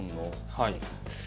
はい。